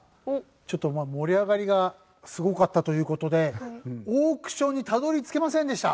ちょっと盛り上がりがすごかったという事でオークションにたどり着けませんでした。